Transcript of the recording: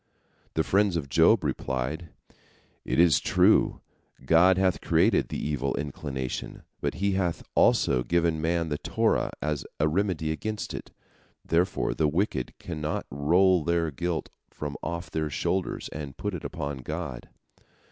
The friends of Job replied: "It is true, God hath created the evil inclination, but He hath also given man the Torah as a remedy against it. Therefore the wicked cannot roll their guilt from off their shoulders and put it upon God."